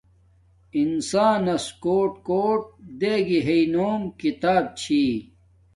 انساناس کوٹ کوٹ دیگی ہݵ نوم کتاب چھی